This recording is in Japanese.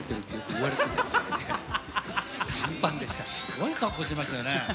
すごい格好してましたよね。